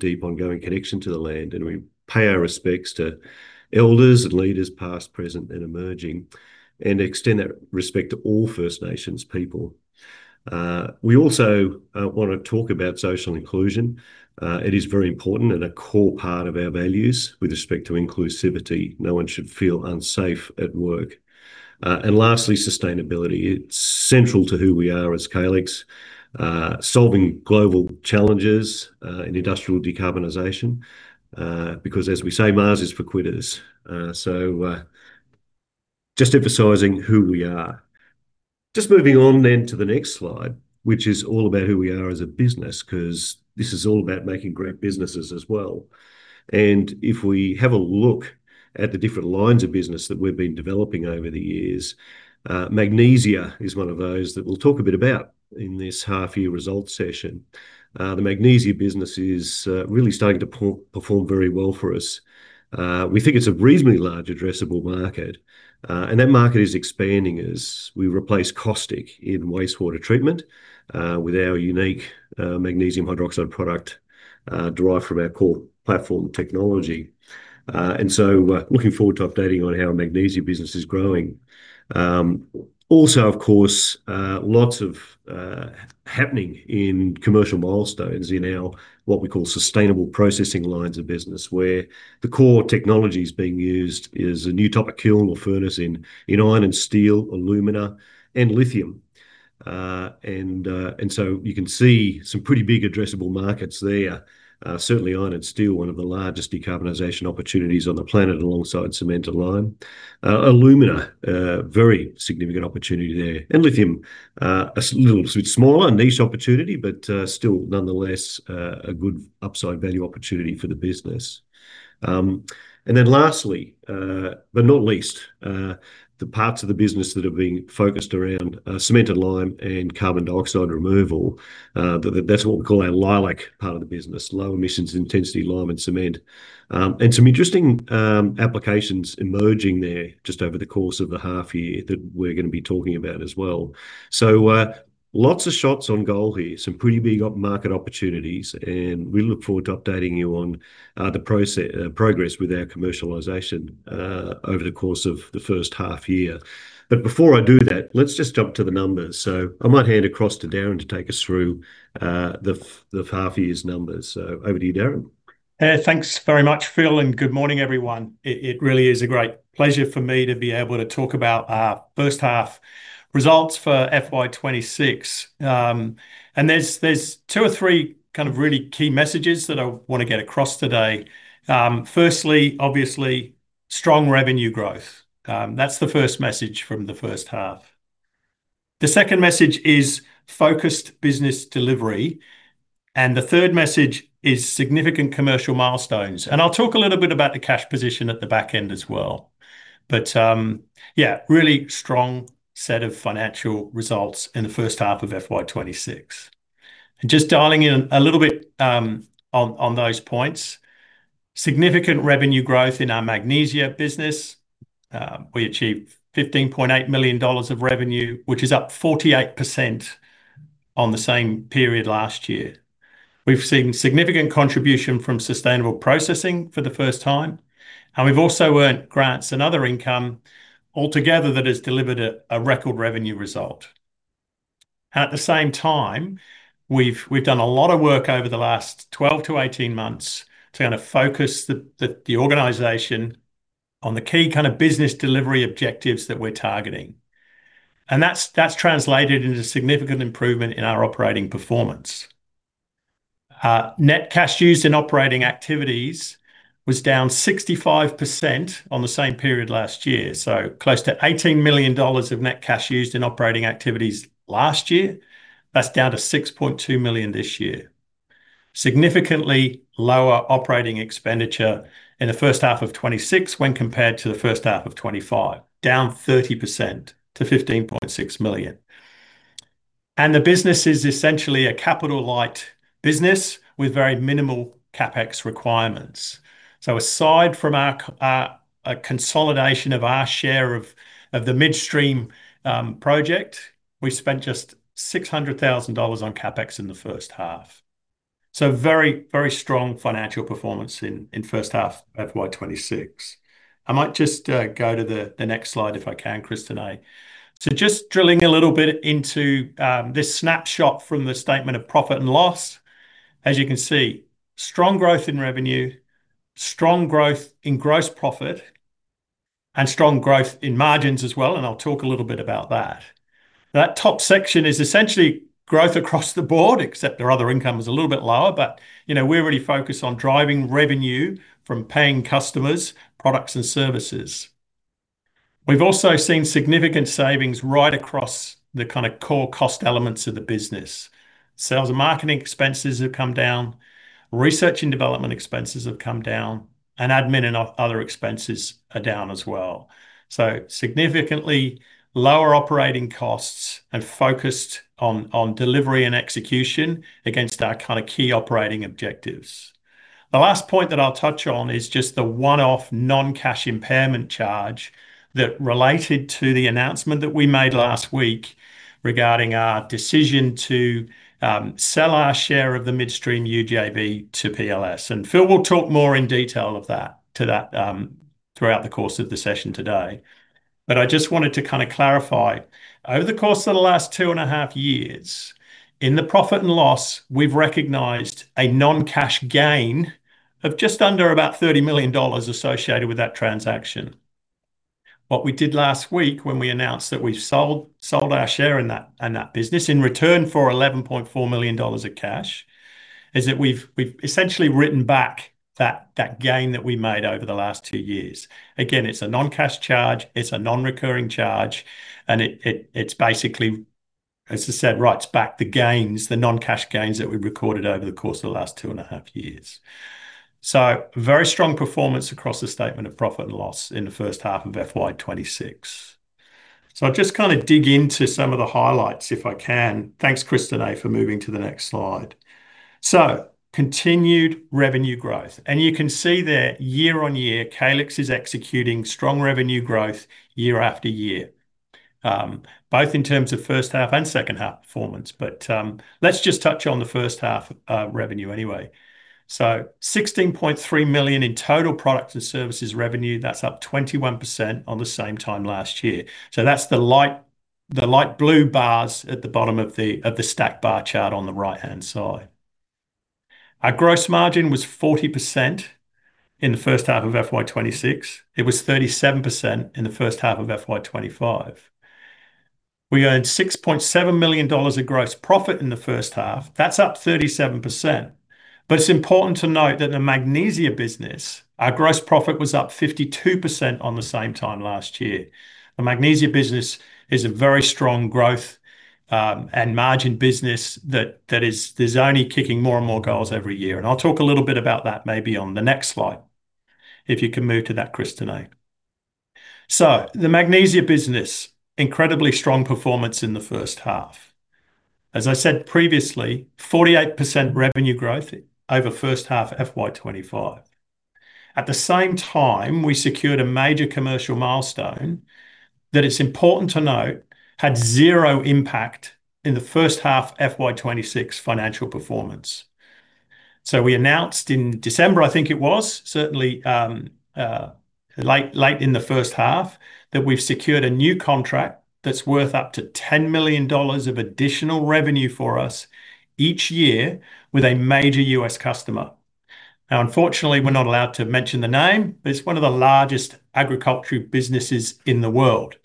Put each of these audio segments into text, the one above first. Deep ongoing connection to the land. We pay our respects to elders and leaders past, present, and emerging, and extend that respect to all First Nations people. We also want to talk about social inclusion. It is very important and a core part of our values with respect to inclusivity. No one should feel unsafe at work. Lastly, sustainability. It's central to who we are as Calix, solving global challenges in industrial decarbonization, because as we say, "Mars is for quitters." Just emphasizing who we are. Just moving on to the next slide, which is all about who we are as a business, 'cause this is all about making great businesses as well. If we have a look at the different lines of business that we've been developing over the years, magnesia is one of those that we'll talk a bit about in this half-year results session. The magnesia business is really starting to perform very well for us. We think it's a reasonably large addressable market, and that market is expanding as we replace caustic in wastewater treatment with our unique magnesium hydroxide product derived from our core platform technology. Looking forward to updating on how our magnesia business is growing. Also, of course, lots of happening in commercial milestones in our, what we call sustainable processing lines of business, where the core technology is being used is a new type of kiln or furnace in, in iron and steel, alumina, and lithium. So you can see some pretty big addressable markets there. Certainly, iron and steel, one of the largest decarbonization opportunities on the planet, alongside cement and lime. Alumina, a very significant opportunity there. Lithium, a little bit smaller, a niche opportunity, but still nonetheless, a good upside value opportunity for the business. Then lastly, but not least, the parts of the business that are being focused around cement and lime and carbon dioxide removal, that, that's what we call our Leilac part of the business, Low Emissions Intensity Lime and Cement. Some interesting applications emerging there just over the course of the half year that we're going to be talking about as well. Lots of shots on goal here, some pretty big market opportunities, and we look forward to updating you on progress with our commercialization over the course of the first half year. Before I do that, let's just jump to the numbers. I might hand across to Darren to take us through the half year's numbers. Over to you, Darren. Thanks very much, Phil, and good morning, everyone. It, it really is a great pleasure for me to be able to talk about our first half results for FY 2026. There's, there's two or three kind of really key messages that I want to get across today. Firstly, obviously, strong revenue growth. That's the first message from the first half. The second message is focused business delivery, and the third message is significant commercial milestones. Yeah, really strong set of financial results in the first half of FY 2026. Just dialing in a little bit, on, on those points, significant revenue growth in our magnesia business. We achieved 15.8 million dollars of revenue, which is up 48% on the same period last year. We've seen significant contribution from sustainable processing for the first time, we've also earned grants and other income altogether that has delivered a record revenue result. At the same time, we've done a lot of work over the last 12-18 months to kind of focus the organization on the key kind of business delivery objectives that we're targeting, that's translated into significant improvement in our operating performance. Net cash used in operating activities was down 65% on the same period last year, close to 18 million dollars of net cash used in operating activities last year. That's down to 6.2 million this year. Significantly lower operating expenditure in the first half of 2026 when compared to the first half of 2025, down 30% to 15.6 million. The business is essentially a capital-light business with very minimal CapEx requirements. Aside from our consolidation of our share of the Mid-Stream Project, we spent just 600,000 dollars on CapEx in the first half. Very, very strong financial performance in first half of FY 2026. I might just go to the next slide if I can, Christineh. Just drilling a little bit into this snapshot from the statement of profit and loss. As you can see, strong growth in revenue, strong growth in gross profit, and strong growth in margins as well, and I'll talk a little bit about that. That top section is essentially growth across the board, except their other income is a little bit lower, you know, we're really focused on driving revenue from paying customers, products, and services. We've also seen significant savings right across the kind of core cost elements of the business. Sales and marketing expenses have come down, research and development expenses have come down, and admin and other expenses are down as well. Significantly lower operating costs and focused on delivery and execution against our kind of key operating objectives. The last point that I'll touch on is just the one-off non-cash impairment charge that related to the announcement that we made last week regarding our decision to sell our share of the Mid-Stream UJV to PLS, and Phil will talk more in detail of that, to that deal throughout the course of the session today. I just wanted to kind of clarify, over the course of the last two and a half years, in the profit and loss, we've recognized a non-cash gain of just under about 30 million dollars associated with that transaction. What we did last week when we announced that we've sold our share in that business in return for 11.4 million dollars of cash, is that we've essentially written back that gain that we made over the last two years. Again, it's a non-cash charge, it's a non-recurring charge, and it's basically, as I said, writes back the gains, the non-cash gains that we've recorded over the course of the last two and a half years. Very strong performance across the statement of profit and loss in the first half of FY 2026. I'll just kind of dig into some of the highlights, if I can. Thanks, Christineh, for moving to the next slide. Continued revenue growth. You can see there, year on year, Calix is executing strong revenue growth year after year, both in terms of first half and second half performance. Let's just touch on the first half revenue anyway. 16.3 million in total products and services revenue, that's up 21% on the same time last year. That's the light, the light blue bars at the bottom of the, of the stacked bar chart on the right-hand side. Our gross margin was 40% in the first half of FY 2026. It was 37% in the first half of FY 2025. We earned 6.7 million dollars of gross profit in the first half. That's up 37%. It's important to note that the magnesia business, our gross profit was up 52% on the same time last year. The magnesia business is a very strong growth and margin business that, that is, is only kicking more and more goals every year. I'll talk a little bit about that maybe on the next slide. If you can move to that, Christineh. The magnesia business, incredibly strong performance in the first half. As I said previously, 48% revenue growth over first half FY 2025. At the same time, we secured a major commercial milestone that it's important to note, had zero impact in the first half FY 2026 financial performance. We announced in December, I think it was, certainly, late, late in the first half, that we've secured a new contract that's worth up to $10 million of additional revenue for us each year with a major U.S. customer. Unfortunately, we're not allowed to mention the name, but it's one of the largest agriculture businesses in the world.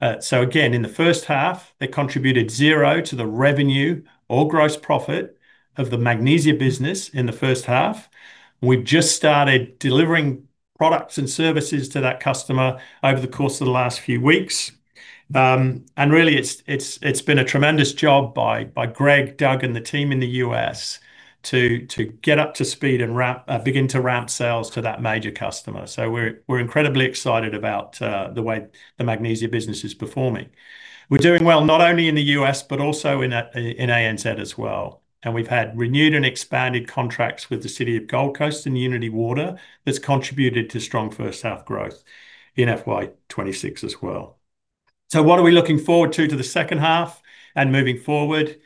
Again, in the first half, they contributed zero to the revenue or gross profit of the magnesia business in the first half. We've just started delivering products and services to that customer over the course of the last few weeks. And really, it's, it's, it's been a tremendous job by, by Greg, Doug, and the team in the U.S. to, to get up to speed and wrap, begin to ramp sales to that major customer. We're, we're incredibly excited about the way the magnesia business is performing. We're doing well, not only in the U.S., but also in ANZ as well, and we've had renewed and expanded contracts with the City of Gold Coast and Unitywater that's contributed to strong first half growth in FY 2026 as well. What are we looking forward to to the second half and moving forward?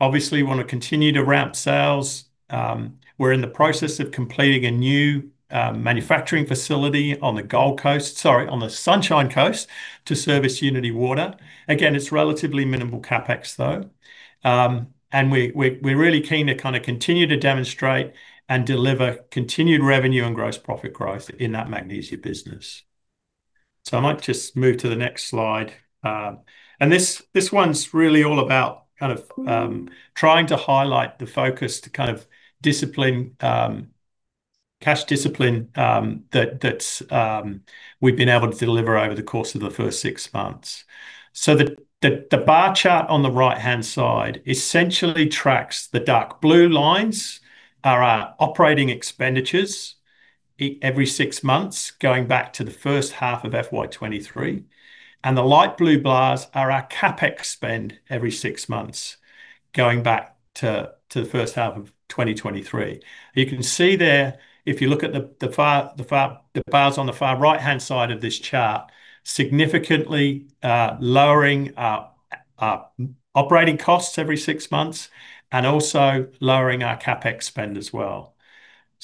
Obviously, we want to continue to ramp sales. We're in the process of completing a new manufacturing facility on the Gold Coast, sorry, on the Sunshine Coast, to service Unitywater. Again, it's relatively minimal CapEx, though. And we, we, we're really keen to kind of continue to demonstrate and deliver continued revenue and gross profit growth in that magnesia business. I might just move to the next slide. This, this one's really all about kind of trying to highlight the focus to kind of discipline, cash discipline, that, that's we've been able to deliver over the course of the first six months. The, the, the bar chart on the right-hand side essentially tracks the dark blue lines are our operating expenditures every six months, going back to the first half of FY 2023, and the light blue bars are our CapEx spend every six months, going back to, to the first half of 2023. You can see there, if you look at the, the far, the far, the bars on the far right-hand side of this chart, significantly lowering our, our operating costs every six months and also lowering our CapEx spend as well.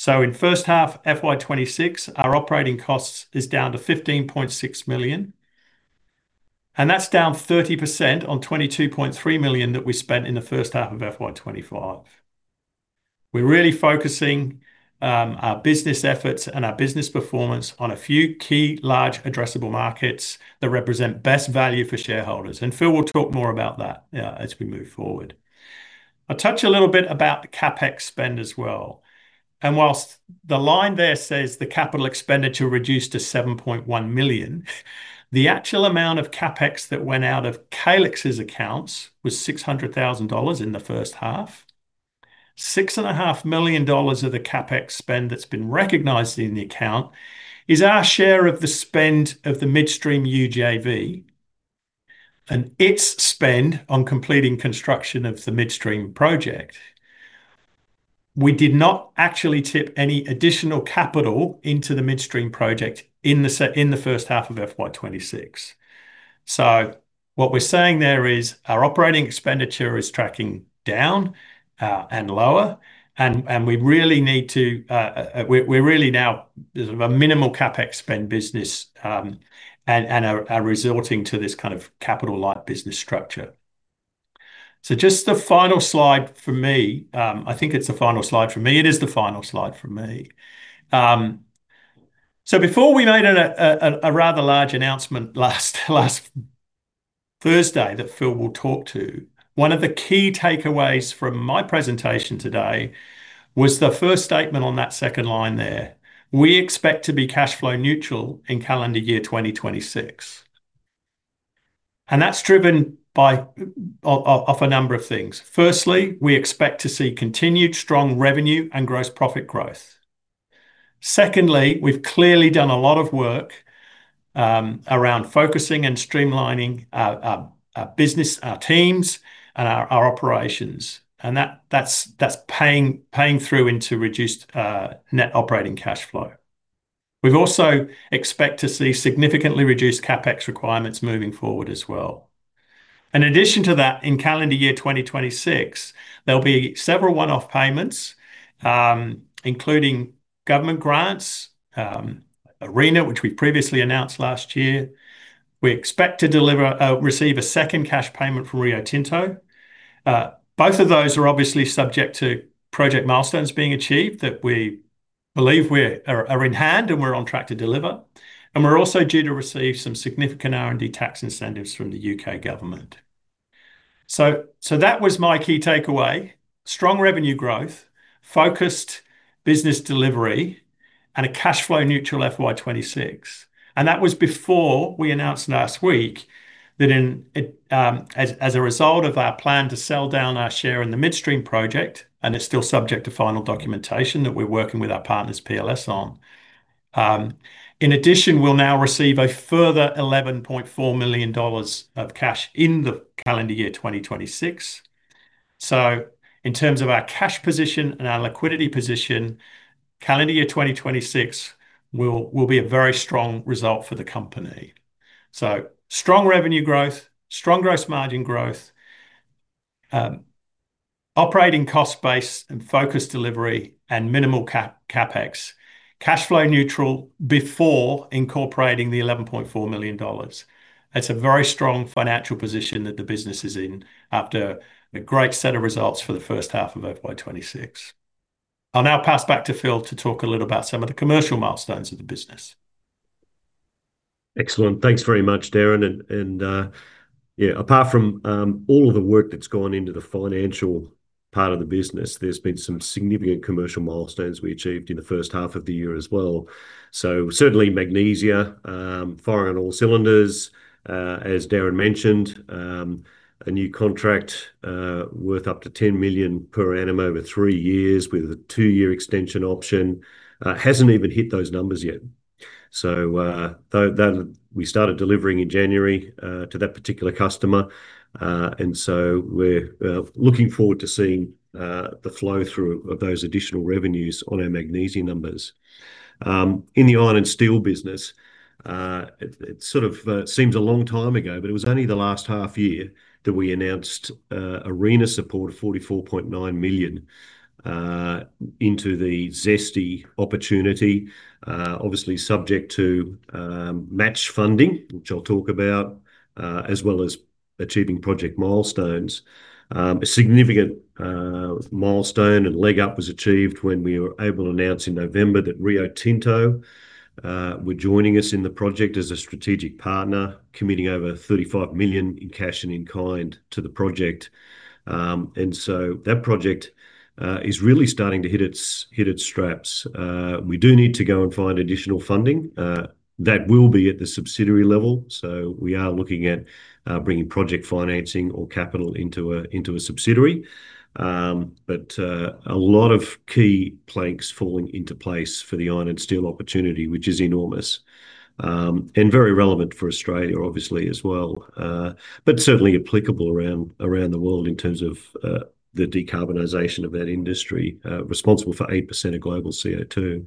In first half, FY 2026, our operating costs is down to $15.6 million, and that's down 30% on $22.3 million that we spent in the first half of FY 2025. We're really focusing our business efforts and our business performance on a few key, large addressable markets that represent best value for shareholders, and Phil will talk more about that as we move forward. I'll touch a little bit about the CapEx spend as well. Whilst the line there says the capital expenditure reduced to $7.1 million, the actual amount of CapEx that went out of Calix's accounts was $600,000 in the first half. 6.5 million dollars of the CapEx spend that's been recognized in the account is our share of the spend of the Mid-Stream UJV, and its spend on completing construction of the Mid-Stream Project. We did not actually tip any additional capital into the Mid-Stream Project in the first half of FY 2026. What we're saying there is, our operating expenditure is tracking down and lower, and we really need to, we're really now sort of a minimal CapEx spend business, and are resorting to this kind of capital-light business structure. Just the final slide for me, I think it's the final slide for me. It is the final slide for me. Before we made a rather large announcement last Thursday, that Phil will talk to, one of the key takeaways from my presentation today was the first statement on that second line there. We expect to be cash flow neutral in calendar year 2026, that's driven by a number of things. Firstly, we expect to see continued strong revenue and gross profit growth. Secondly, we've clearly done a lot of work around focusing and streamlining our business, our teams and our operations, that's paying through into reduced net operating cash flow. We've also expect to see significantly reduced CapEx requirements moving forward as well. In addition to that, in calendar year 2026, there'll be several one-off payments, including government grants, ARENA, which we previously announced last year. We expect to deliver, receive a second cash payment from Rio Tinto. Both of those are obviously subject to project milestones being achieved, that we believe we're, are, are in hand, and we're on track to deliver, and we're also due to receive some significant R&D tax incentives from the U.K. government. That was my key takeaway, strong revenue growth, focused business delivery, and a cash flow neutral FY 2026. That was before we announced last week that in, it, as, as a result of our plan to sell down our share in the Mid-Stream Project, and it's still subject to final documentation that we're working with our partners, PLS, on. In addition, we'll now receive a further 11.4 million dollars of cash in the calendar year 2026. In terms of our cash position and our liquidity position, calendar year 2026 will be a very strong result for the company. Strong revenue growth, strong gross margin growth, operating cost base and focused delivery, and minimal CapEx. Cash flow neutral before incorporating the 11.4 million dollars. It's a very strong financial position that the business is in after a great set of results for the first half of FY 2026. I'll now pass back to Phil to talk a little about some of the commercial milestones of the business. Excellent. Thanks very much, Darren, and apart from all of the work that's gone into the financial part of the business, there's been some significant commercial milestones we achieved in the first half of the year as well. Certainly, magnesia, firing on all cylinders. As Darren mentioned, a new contract, worth up to 10 million per annum over three years, with a two-year extension option, hasn't even hit those numbers yet. We started delivering in January to that particular customer, and we're looking forward to seeing the flow through of those additional revenues on our magnesia numbers. In the iron and steel business, it, it sort of seems a long time ago, it was only the last half year that we announced ARENA support of 44.9 million into the ZESTY opportunity. Obviously subject to match funding, which I'll talk about, as well as achieving project milestones. A significant milestone and leg up was achieved when we were able to announce in November that Rio Tinto were joining us in the project as a strategic partner, committing over 35 million in cash and in-kind to the project. That project is really starting to hit its, hit its straps. We do need to go and find additional funding, that will be at the subsidiary level, so we are looking at bringing project financing or capital into a, into a subsidiary. A lot of key planks falling into place for the iron and steel opportunity, which is enormous, and very relevant for Australia, obviously, as well. Certainly applicable around, around the world in terms of the decarbonization of that industry, responsible for 8% of global CO2.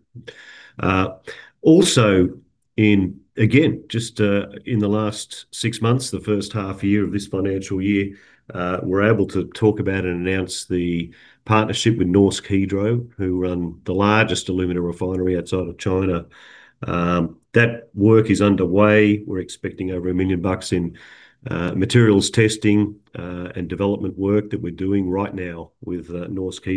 Also in... Again, just in the last six months, the first half year of this financial year, we're able to talk about and announce the partnership with Norsk Hydro, who run the largest alumina refinery outside of China. That work is underway. We're expecting over $1 million in materials testing and development work that we're doing right now with Norsk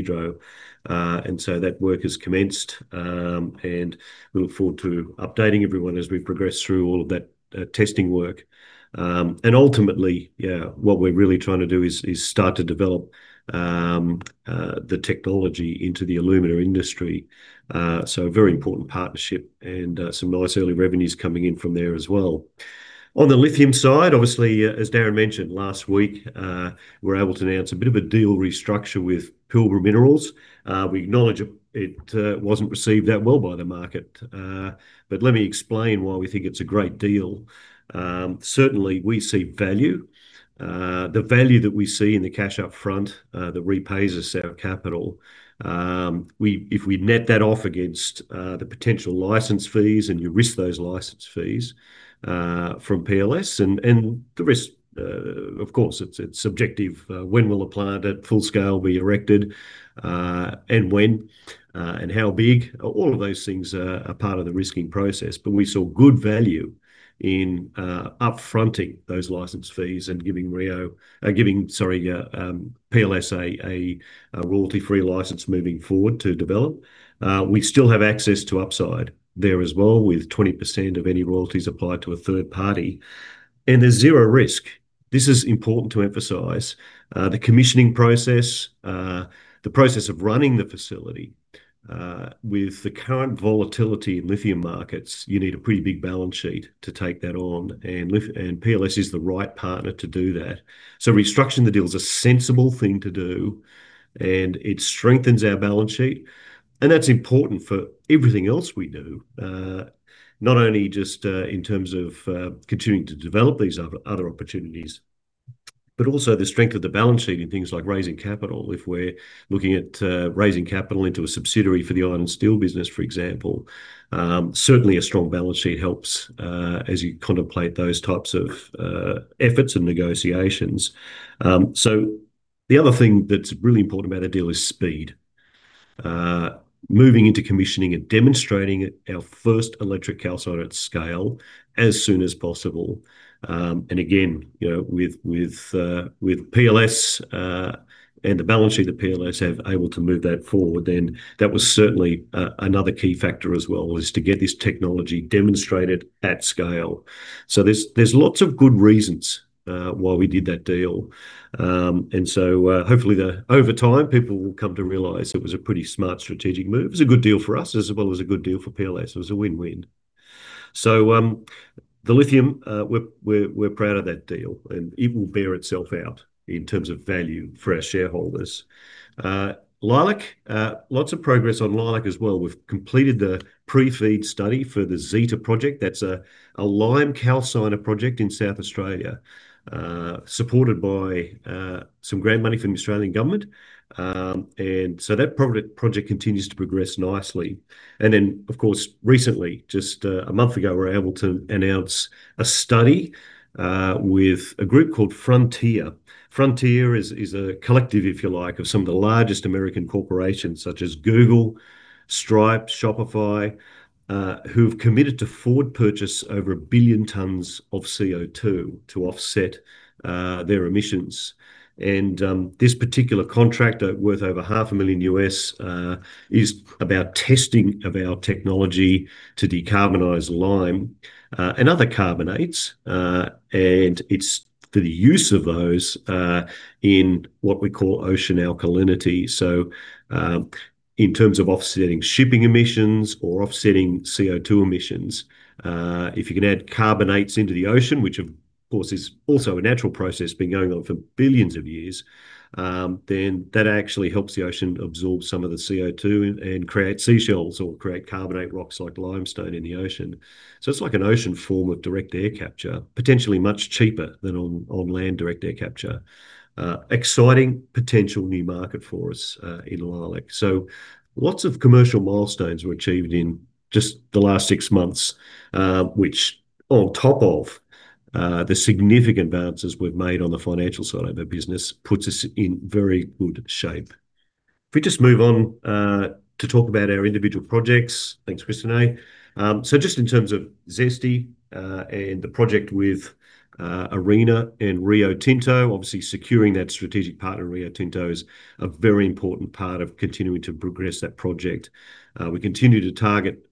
Hydro. That work has commenced, and we look forward to updating everyone as we progress through all of that testing work. Ultimately, yeah, what we're really trying to do is, is start to develop the technology into the alumina industry. A very important partnership, some nice early revenues coming in from there as well. On the lithium side, obviously, as Darren mentioned last week, we're able to announce a bit of a deal restructure with Pilbara Minerals. We acknowledge it wasn't received that well by the market, let me explain why we think it's a great deal. Certainly, we see value-... The value that we see in the cash up front, that repays us our capital. If we net that off against, the potential license fees, and you risk those license fees, from PLS, and the risk, of course, it's, it's subjective. When will a plant at full scale be erected, and when, and how big? All of those things are, are part of the risking process. We saw good value in up-fronting those license fees and giving Rio, giving, sorry, PLS a royalty-free license moving forward to develop. We still have access to upside there as well, with 20% of any royalties applied to a third party, and there's zero risk. This is important to emphasize. The commissioning process, the process of running the facility, with the current volatility in lithium markets, you need a pretty big balance sheet to take that on, and lith- and PLS is the right partner to do that. Restructuring the deal is a sensible thing to do, and it strengthens our balance sheet, and that's important for everything else we do. Not only just in terms of continuing to develop these other, other opportunities, but also the strength of the balance sheet in things like raising capital. If we're looking at raising capital into a subsidiary for the iron and steel business, for example, certainly a strong balance sheet helps as you contemplate those types of efforts and negotiations. The other thing that's really important about the deal is speed. Moving into commissioning and demonstrating our first electric calciner at scale as soon as possible. Again, you know, with, with PLS, and the balance sheet that PLS have able to move that forward, then that was certainly another key factor as well, is to get this technology demonstrated at scale. There's, there's lots of good reasons why we did that deal. Hopefully over time, people will come to realize it was a pretty smart strategic move. It was a good deal for us, as well as a good deal for PLS. It was a win-win. The lithium, we're, we're, we're proud of that deal, and it will bear itself out in terms of value for our shareholders. Leilac, lots of progress on Leilac as well. We've completed the pre-FEED study for Project ZETA. That's a lime calciner project in South Australia, supported by some grant money from the Australian government. That project continues to progress nicely. Of course, recently, just a month ago, we were able to announce a study with a group called Frontier. Frontier is a collective, if you like, of some of the largest American corporations, such as Google, Stripe, Shopify, who've committed to forward purchase over one billion tons of CO2 to offset their emissions. This particular contract, worth over $500,000, is about testing of our technology to decarbonize lime and other carbonates. It's for the use of those in what we call ocean alkalinity. In terms of offsetting shipping emissions or offsetting CO2 emissions, if you can add carbonates into the ocean, which of course, is also a natural process, been going on for billions of years, then that actually helps the ocean absorb some of the CO2 and create seashells or create carbonate rocks like limestone in the ocean. It's like an ocean form of direct air capture, potentially much cheaper than on land direct air capture. Exciting potential new market for us in Leilac. Lots of commercial milestones were achieved in just the last six months, which on top of the significant advances we've made on the financial side of our business, puts us in very good shape. If we just move on to talk about our individual projects. Thanks, Christineh. Just in terms of ZESTY, and the project with ARENA and Rio Tinto, obviously securing that strategic partner, Rio Tinto, is a very important part of continuing to progress that project. We continue to target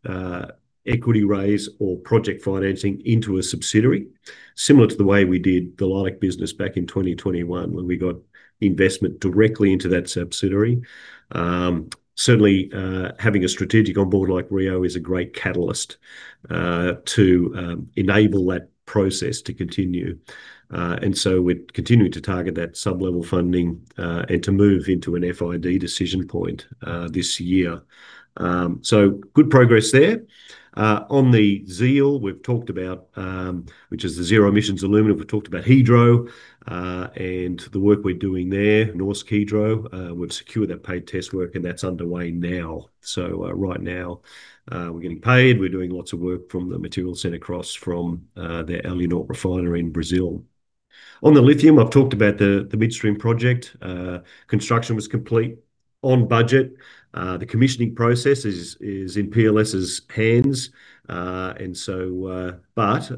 equity raise or project financing into a subsidiary, similar to the way we did the Leilac business back in 2021, when we got investment directly into that subsidiary. Certainly, having a strategic on board like Rio is a great catalyst to enable that process to continue. We're continuing to target that sub-level funding and to move into an FID decision point this year. Good progress there. On the ZEAL we've talked about, which is the Zero Emissions Alumina. We've talked about Hydro and the work we're doing there, Norsk Hydro. We've secured that paid test work, and that's underway now. Right now, we're getting paid. We're doing lots of work from the materials sent across from their Alunorte refinery in Brazil. On the lithium, I've talked about the Mid-Stream Project. Construction was complete, on budget. The commissioning process is in PLS's hands. As part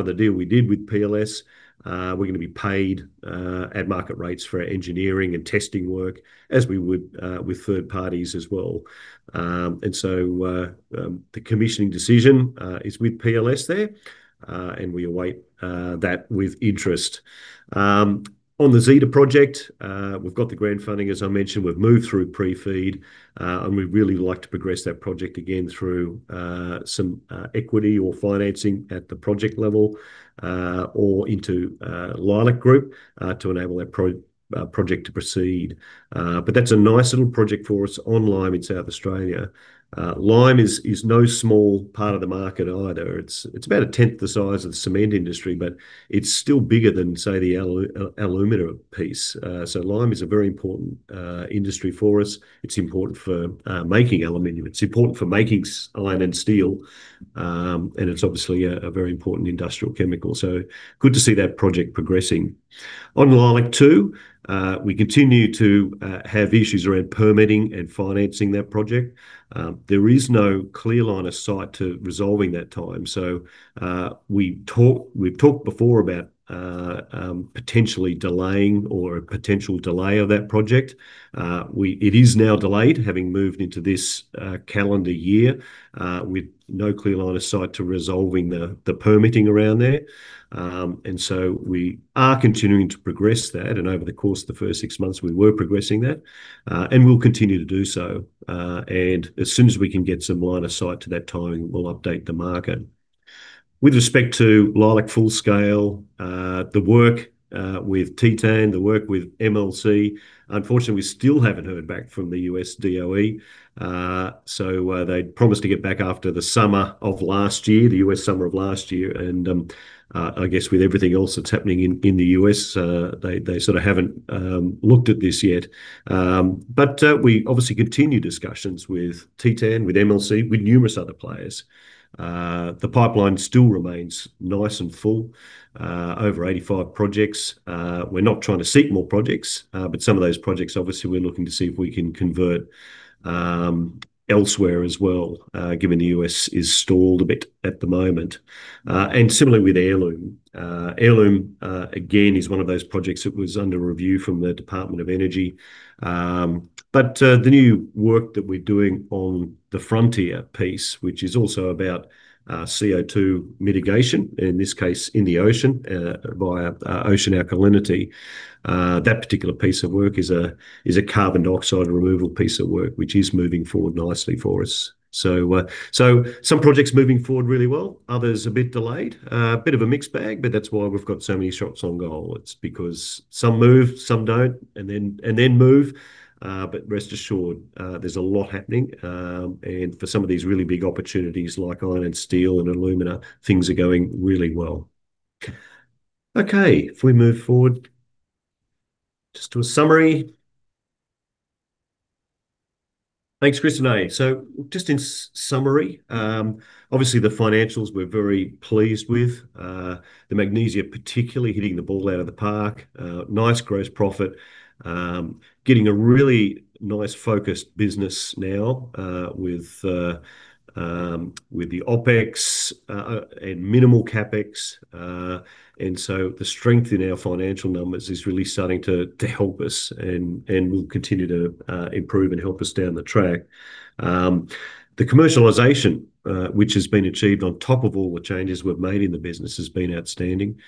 of the deal we did with PLS, we're gonna be paid at market rates for our engineering and testing work, as we would with third parties as well. The commissioning decision is with PLS there, we await that with interest. On the Project ZETA, we've got the grant funding, as I mentioned. We've moved through pre-FEED, and we'd really like to progress that project again through some equity or financing at the project level, or into Leilac Group, to enable that project to proceed. That's a nice little project for us on lime in South Australia. Lime is, is no small part of the market either. It's, it's about a 10th the size of the cement industry, but it's still bigger than, say, the alumina piece. Lime is a very important industry for us. It's important for making aluminum. It's important for making iron and steel, and it's obviously a very important industrial chemical. Good to see that project progressing. On Leilac-2, we continue to have issues around permitting and financing that project. There is no clear line of sight to resolving that time. We've talked before about potentially delaying or a potential delay of that project. It is now delayed, having moved into this calendar year, with no clear line of sight to resolving the permitting around there. We are continuing to progress that, and over the course of the first six months, we were progressing that, and we'll continue to do so. As soon as we can get some line of sight to that timing, we'll update the market. With respect to Leilac Full Scale, the work with Tinto, the work with MLC, unfortunately, we still haven't heard back from the U.S. DOE. They promised to get back after the summer of last year, the U.S. summer of last year, and, I guess with everything else that's happening in, in the U.S., they, they sort of haven't looked at this yet. We obviously continue discussions with Tinto, with MLC, with numerous other players. The pipeline still remains nice and full, over 85 projects. We're not trying to seek more projects, but some of those projects, obviously, we're looking to see if we can convert elsewhere as well, given the U.S. is stalled a bit at the moment. Similarly with alumina. Alumina, again, is one of those projects that was under review from the Department of Energy. The new work that we're doing on the Frontier piece, which is also about CO2 mitigation, in this case, in the ocean, via ocean alkalinity, that particular piece of work is a, is a carbon dioxide removal piece of work, which is moving forward nicely for us. Some projects moving forward really well, others a bit delayed. A bit of a mixed bag, but that's why we've got so many shots on goal. It's because some move, some don't, and then move. Rest assured, there's a lot happening. For some of these really big opportunities, like iron and steel and alumina, things are going really well. If we move forward just to a summary. Thanks, Christineh. Just in summary, obviously, the financials we're very pleased with, the magnesia particularly hitting the ball out of the park. Nice gross profit. Getting a really nice focused business now, with the OpEx and minimal CapEx. The strength in our financial numbers is really starting to help us and will continue to improve and help us down the track. The commercialization, which has been achieved on top of all the changes we've made in the business, has been outstanding.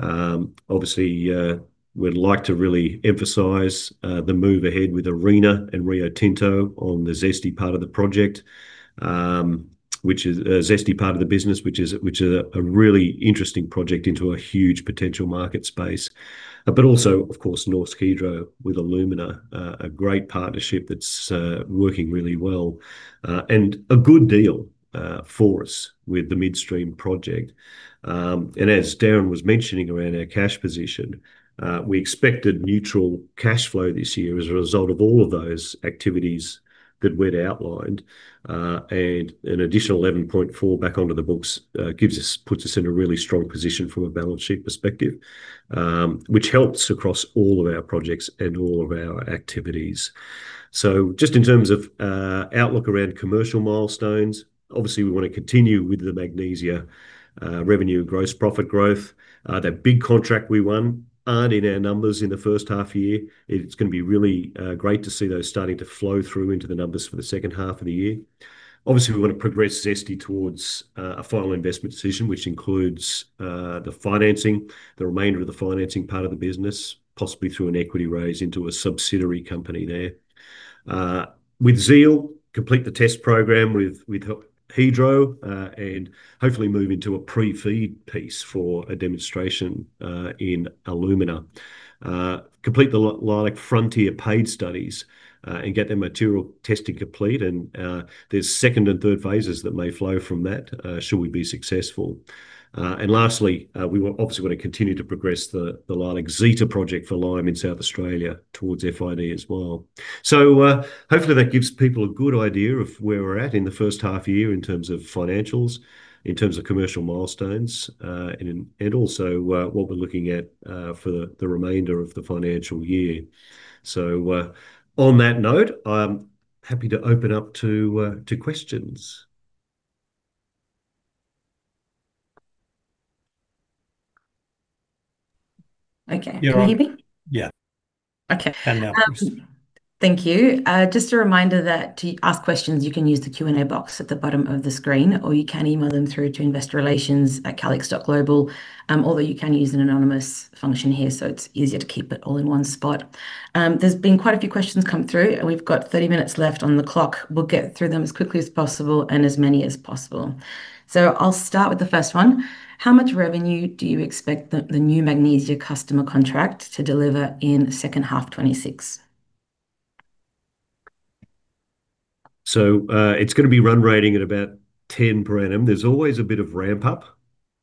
Obviously, we'd like to really emphasize the move ahead with ARENA and Rio Tinto on the ZESTY part of the project, which is ZESTY part of the business, which is a really interesting project into a huge potential market space. Also, of course, Norsk Hydro with alumina, a great partnership that's working really well, and a good deal for us with the Mid-Stream Project. As Darren was mentioning around our cash position, we expected neutral cash flow this year as a result of all of those activities that we'd outlined. An additional 11.4 back onto the books, puts us in a really strong position from a balance sheet perspective, which helps across all of our projects and all of our activities. Just in terms of outlook around commercial milestones, obviously, we want to continue with the magnesia revenue, gross profit growth. That big contract we won aren't in our numbers in the first half year. It's gonna be really great to see those starting to flow through into the numbers for the second half of the year. Obviously, we want to progress ZESTY towards a final investment decision, which includes the financing, the remainder of the financing part of the business, possibly through an equity raise into a subsidiary company there. With ZEAL, complete the test program with Hydro, and hopefully move into a pre-FEED piece for a demonstration in alumina. Complete the Leilac Frontier paid studies, and get the material testing complete, and, there's second and third phases that may flow from that, should we be successful. Lastly, we obviously want to continue to progress the Leilac ZETA project for lime in South Australia towards FID as well. Hopefully, that gives people a good idea of where we're at in the first half year in terms of financials, in terms of commercial milestones, and, and also, what we're looking at, for the, the remainder of the financial year. On that note, I'm happy to open up to, to questions. Okay, can you hear me? Yeah. Okay. Now, yes. Thank you. Just a reminder that to ask questions, you can use the Q&A box at the bottom of the screen, or you can email them through to investorrelations@calix.global. Although you can use an anonymous function here, so it's easier to keep it all in one spot. There's been quite a few questions come through, and we've got 30 minutes left on the clock. We'll get through them as quickly as possible and as many as possible. I'll start with the first one: How much revenue do you expect the new magnesium customer contract to deliver in the second half FY 2026? It's gonna be run rating at about 10 per annum. There's always a bit of ramp up.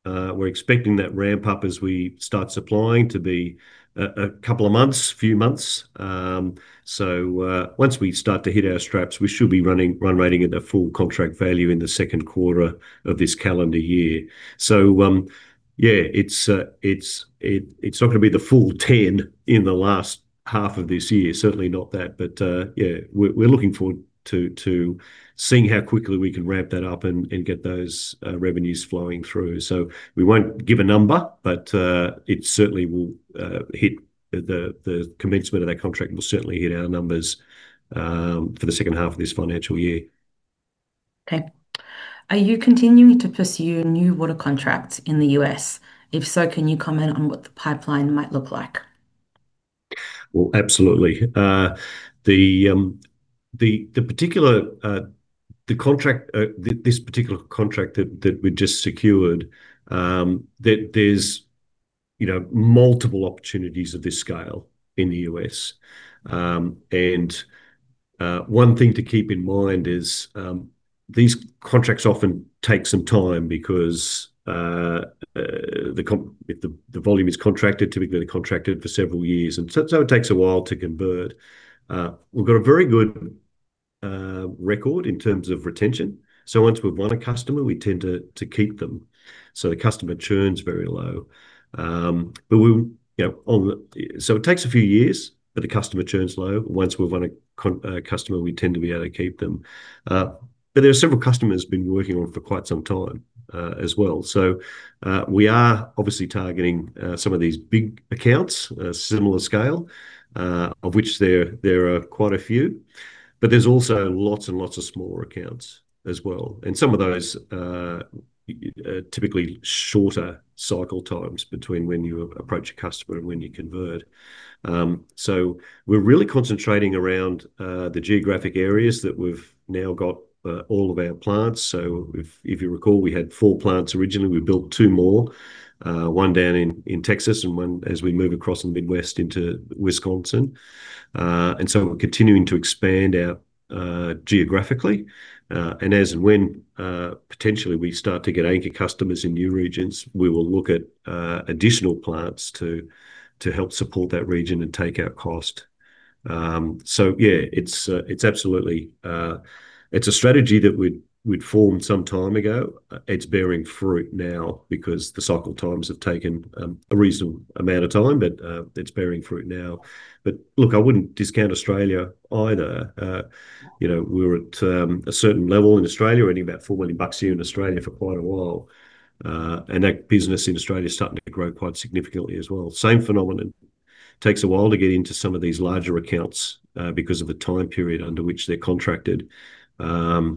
We're expecting that ramp up as we start supplying to be a couple of months, few months. Once we start to hit our straps, we should be running, run rating at a full contract value in the second quarter of this calendar year. Yeah, it's, it's not gonna be the full 10 in the last half of this year, certainly not that. Yeah, we're, we're looking forward to seeing how quickly we can ramp that up and get those revenues flowing through. We won't give a number, it certainly will hit the commencement of that contract will certainly hit our numbers for the second half of this financial year. Okay. Are you continuing to pursue new water contracts in the U.S.? If so, can you comment on what the pipeline might look like? Well, absolutely. The particular contract, this particular contract that we just secured, there's, you know, multiple opportunities of this scale in the U.S. One thing to keep in mind is, these contracts often take some time because if the volume is contracted, typically contracted for several years, and so it takes a while to convert. We've got a very good record in terms of retention, so once we've won a customer, we tend to keep them. The customer churn's very low. We, you know, so it takes a few years, but the customer churn's low. Once we've won a customer, we tend to be able to keep them. There are several customers been working on for quite some time as well. We are obviously targeting some of these big accounts, a similar scale, of which there, there are quite a few, but there's also lots and lots of smaller accounts as well, and some of those typically shorter cycle times between when you approach a customer and when you convert. We're really concentrating around the geographic areas that we've now got all of our plants. If, if you recall, we had four plants originally. We built two more, one down in Texas, and one as we move across the Midwest into Wisconsin. We're continuing to expand our geographically. As and when potentially we start to get anchor customers in new regions, we will look at additional plants to help support that region and take out cost. Yeah, it's absolutely... It's a strategy that we'd formed some time ago. It's bearing fruit now because the cycle times have taken a reasonable amount of time. It's bearing fruit now. Look, I wouldn't discount Australia either. You know, we were at a certain level in Australia, earning about 4 million bucks a year in Australia for quite a while. That business in Australia is starting to grow quite significantly as well. Same phenomenon. Takes a while to get into some of these larger accounts, because of the time period under which they're contracted. You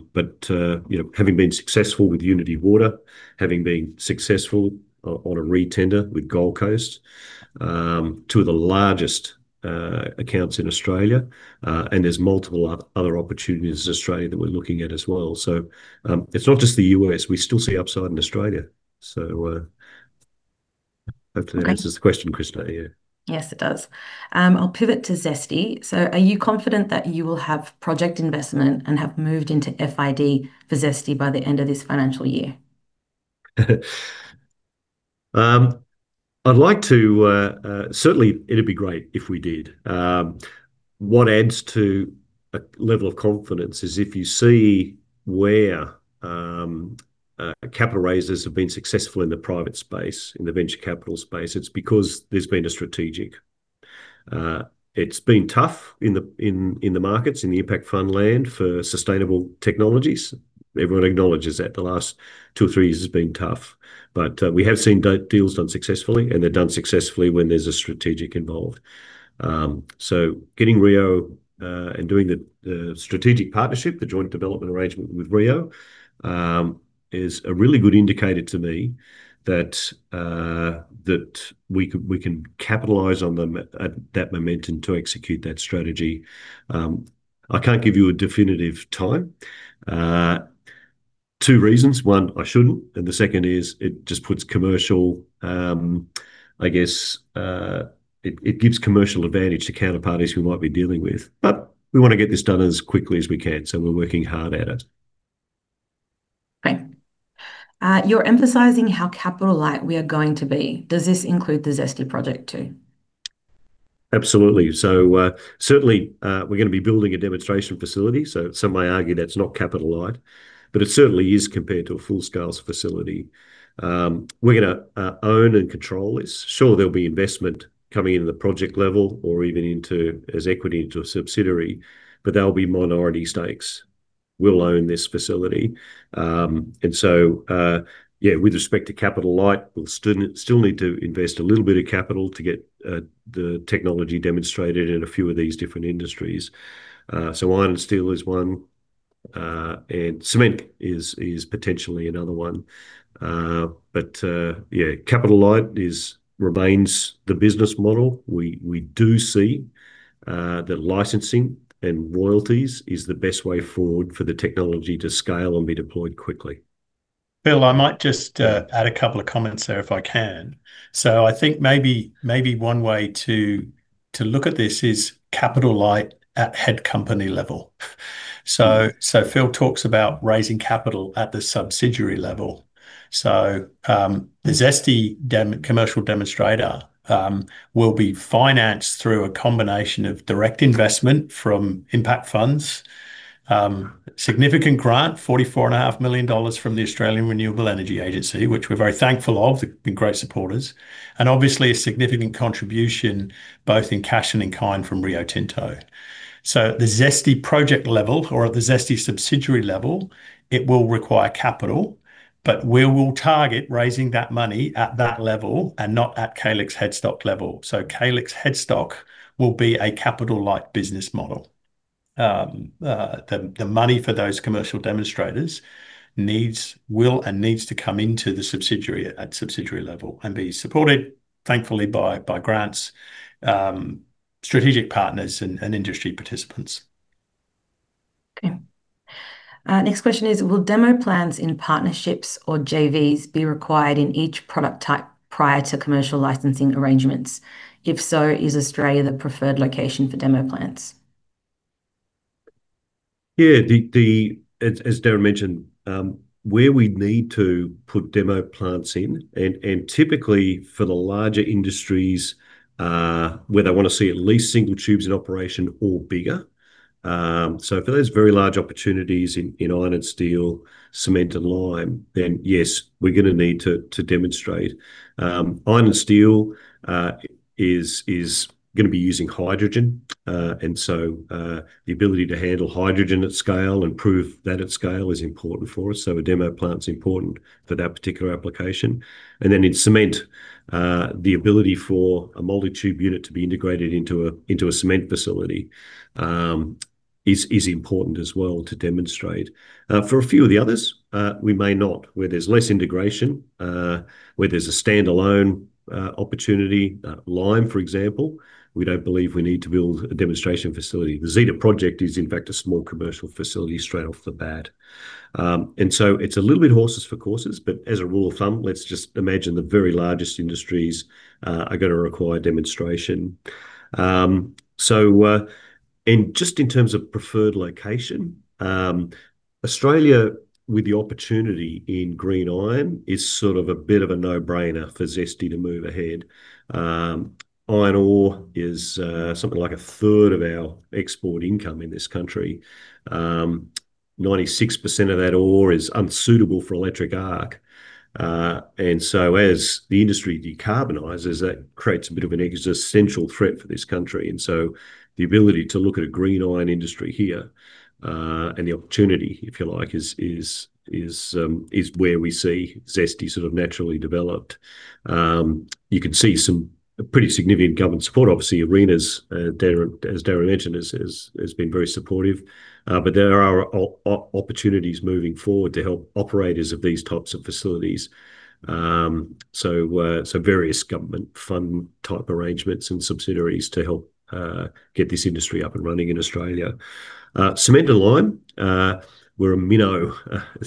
know, having been successful with Unitywater, having been successful on, on a re-tender with Gold Coast, two of the largest accounts in Australia, and there's multiple other opportunities in Australia that we're looking at as well. It's not just the U.S., we still see upside in Australia. Hopefully this answers the question, Christineh, yeah. Yes, it does. I'll pivot to ZESTY. Are you confident that you will have project investment and have moved into FID for ZESTY by the end of this financial year? I'd like to, certainly, it'd be great if we did. What adds to a level of confidence is if you see where capital raises have been successful in the private space, in the venture capital space, it's because there's been a strategic. It's been tough in the markets, in the impact fund land for sustainable technologies. Everyone acknowledges that the last two or three years has been tough. We have seen deals done successfully, and they're done successfully when there's a strategic involved. Getting Rio and doing the strategic partnership, the joint development arrangement with Rio, is a really good indicator to me that we can capitalize on them, at that momentum to execute that strategy. I can't give you a definitive time. Two reasons. One, I shouldn't. The second is it just puts commercial... I guess, it, it gives commercial advantage to counterparties we might be dealing with. We want to get this done as quickly as we can, so we're working hard at it. Great. You're emphasizing how capital-light we are going to be. Does this include the ZESTY project, too? Absolutely. Certainly, we're gonna be building a demonstration facility, so some may argue that's not capital-light, but it certainly is compared to a full-scale facility. We're gonna own and control it. Sure, there'll be investment coming in at the project level or even into, as equity into a subsidiary, but they'll be minority stakes. We'll own this facility. With respect to capital-light, we'll still need to invest a little bit of capital to get the technology demonstrated in a few of these different industries. Iron and steel is one, and cement is, is potentially another one. Capital-light remains the business model. We, we do see that licensing and royalties is the best way forward for the technology to scale and be deployed quickly. Phil, I might just add a couple of comments there, if I can. I think maybe, maybe one way to look at this is capital-light at head company level. Phil talks about raising capital at the subsidiary level. The ZESTY commercial demonstrator will be financed through a combination of direct investment from impact funds, significant grant, 44.5 million dollars from the Australian Renewable Energy Agency, which we're very thankful of, they've been great supporters, and obviously a significant contribution, both in cash and in kind from Rio Tinto. At the ZESTY project level or at the ZESTY subsidiary level, it will require capital, but we will target raising that money at that level and not at Calix headstock level. Calix headstock will be a capital-light business model. The, the money for those commercial demonstrators needs, will and needs to come into the subsidiary, at subsidiary level and be supported, thankfully, by, by grants, strategic partners, and, and industry participants. Okay. Next question is, will demo plans in partnerships or JVs be required in each product type prior to commercial licensing arrangements? If so, is Australia the preferred location for demo plants? Yeah, the... As Darren mentioned, where we'd need to put demo plants in, and typically for the larger industries, where they want to see at least single tubes in operation or bigger. For those very large opportunities in iron and steel, cement and lime, then yes, we're going to need to demonstrate. Iron and steel is going to be using hydrogen, and so, the ability to handle hydrogen at scale and prove that at scale is important for us, so a demo plant's important for that particular application. In cement, the ability for a multi-tube unit to be integrated into a cement facility is important as well to demonstrate. For a few of the others, we may not. Where there's less integration, where there's a standalone opportunity, lime, for example, we don't believe we need to build a demonstration facility. the Project ZETA is, in fact, a small commercial facility straight off the bat. It's a little bit horses for courses, but as a rule of thumb, let's just imagine the very largest industries are going to require demonstration. Just in terms of preferred location, Australia, with the opportunity in green iron, is sort of a bit of a no-brainer for ZESTY to move ahead. Iron ore is something like a third of our export income in this country. 96% of that ore is unsuitable for electric arc. As the industry decarbonizes, that creates a bit of an existential threat for this country, the ability to look at a green iron industry here, and the opportunity, if you like, is where we see ZESTY sort of naturally developed. You can see some pretty significant government support. Obviously, ARENA's, Darren, as Darren mentioned, has been very supportive. There are opportunities moving forward to help operators of these types of facilities. Various government fund type arrangements and subsidiaries to help get this industry up and running in Australia. Cement and lime, we're a minnow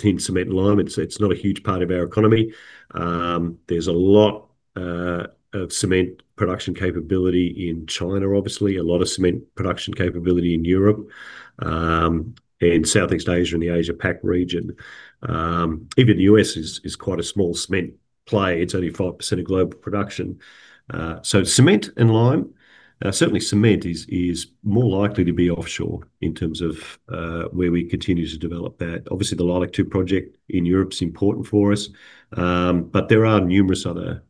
in cement and lime, it's not a huge part of our economy. There's a lot of cement production capability in China, obviously, a lot of cement production capability in Europe, and Southeast Asia and the Asia-Pac region. Even the U.S. is quite a small cement play, it's only 5% of global production. Cement and lime, certainly cement is more likely to be offshore in terms of where we continue to develop that. Obviously, the Leilac-2 project in Europe is important for us, but there are numerous other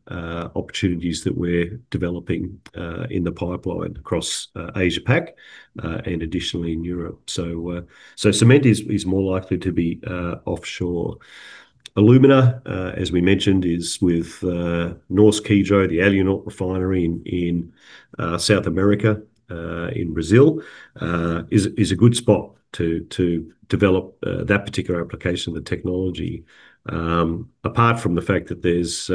opportunities that we're developing in the pipeline across Asia-Pac, and additionally in Europe. Cement is more likely to be offshore. Alumina, as we mentioned, is with Norsk Hydro, the Alunorte refinery in South America, in Brazil, is a good spot to develop that particular application of the technology. Apart from the fact that there's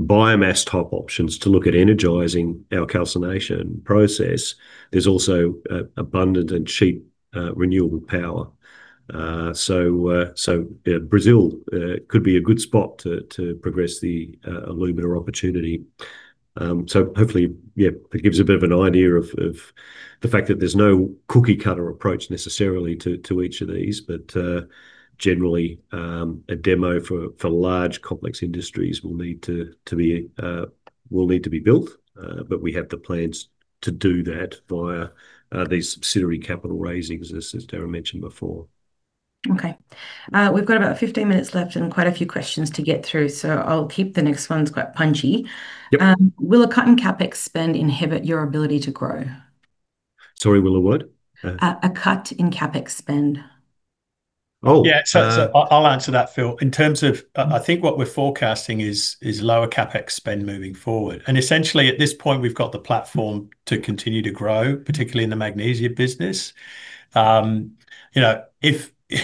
biomass top options to look at energizing our calcination process, there's also abundant and cheap renewable power. Brazil could be a good spot to progress the alumina opportunity. Hopefully, yeah, it gives a bit of an idea of the fact that there's no cookie-cutter approach necessarily to each of these. Generally, a demo for large, complex industries will need to be built, but we have the plans to do that via these subsidiary capital raisings, as Darren mentioned before. ... Okay. We've got about 15 minutes left and quite a few questions to get through, so I'll keep the next ones quite punchy. Yep. Will a cut in CapEx spend inhibit your ability to grow? Sorry, will a what? A cut in CapEx spend. Oh, yeah. I'll, I'll answer that, Phil. In terms of, I think what we're forecasting is, is lower CapEx spend moving forward. Essentially at this point, we've got the platform to continue to grow, particularly in the magnesia business. You know, if, you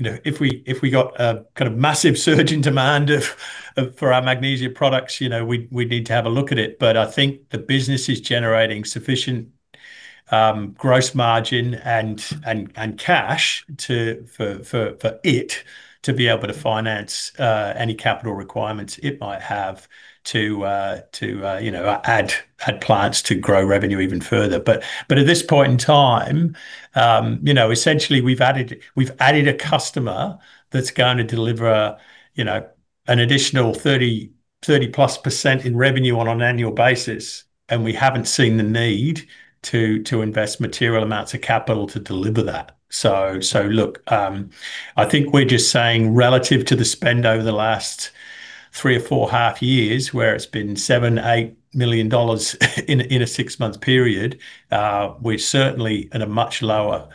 know, if we, if we got a kind of massive surge in demand of, of, for our magnesia products, you know, we'd, we'd need to have a look at it. I think the business is generating sufficient gross margin and, and, and cash to, for, for, for it to be able to finance any capital requirements it might have to, to, you know, add, add plants to grow revenue even further. At this point in time, you know, essentially we've added, we've added a customer that's going to deliver, you know, an additional 30%, 30%+ in revenue on an annual basis, and we haven't seen the need to invest material amounts of capital to deliver that. So look, I think we're just saying relative to the spend over the last three or four half years, where it's been 7 million-8 million dollars in a six-month period, we're certainly at a much lower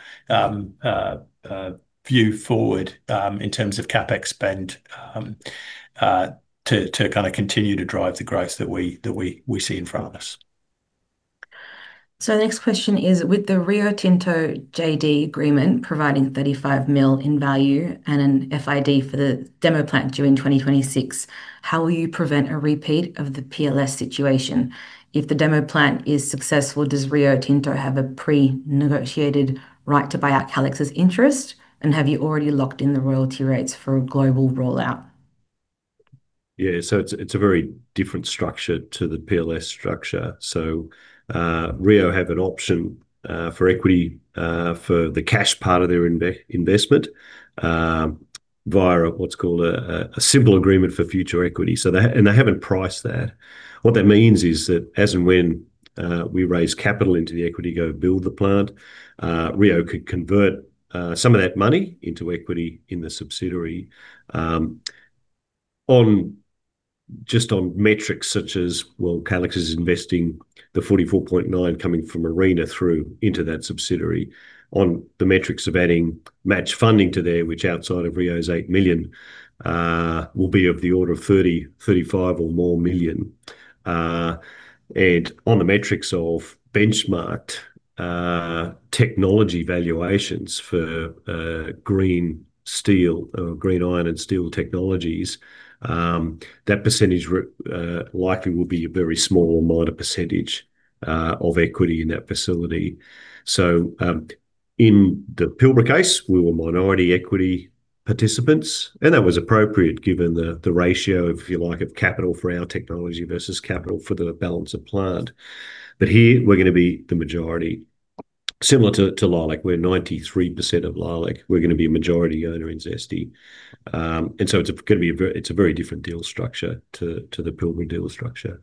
view forward in terms of CapEx spend to kind of continue to drive the growth that we, that we, we see in front of us. The next question is, with the Rio Tinto JD Agreement providing 35 million in value and an FID for the demo plant during 2026, how will you prevent a repeat of the PLS situation? If the demo plant is successful, does Rio Tinto have a pre-negotiated right to buy out Calix's interest, and have you already locked in the royalty rates for a global rollout? It's, it's a very different structure to the PLS structure. Rio have an option for equity for the cash part of their investment via what's called a Simple Agreement for Future Equity. They haven't priced that. What that means is that as and when we raise capital into the equity go build the plant, Rio could convert some of that money into equity in the subsidiary. Just on metrics such as, well, Calix is investing the 44.9 coming from ARENA through into that subsidiary. On the metrics of adding match funding to there, which outside of Rio's 8 million will be of the order of 30 million-35 million or more million. On the metrics of benchmarked technology valuations for green steel, or green iron and steel technologies, that percentage likely will be a very small or minor percentage of equity in that facility. In the Pilbara case, we were minority equity participants, and that was appropriate, given the ratio, if you like, of capital for our technology versus capital for the balance of plant. Here we're going to be the majority. Similar to Leilac, where 93% of Leilac, we're going to be a majority owner in ZESTY. It's going to be a very, it's a very different deal structure to the Pilbara deal structure.